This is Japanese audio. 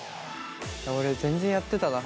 俺全然やってたな早く。